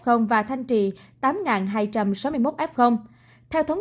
hà nội vẫn tiếp tục đứng đầu cả nước về số ca f mới